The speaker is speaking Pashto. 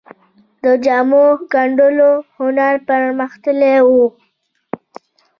د جامو ګنډلو هنر پرمختللی و